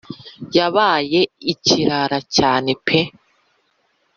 yabaye ikirara cyane pe